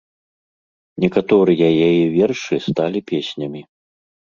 Некаторыя яе вершы сталі песнямі.